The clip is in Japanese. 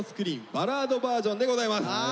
バラードバージョンでございます。